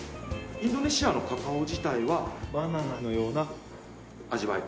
インドネシアのカカオ自体はバナナのような味わい。